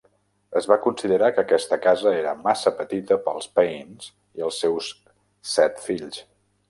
Es va considerar que aquesta casa era massa petita pels Paines i els seus set fills.